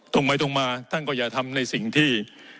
ตรงไปตรงมาท่านก็อย่าทำในสิ่งที่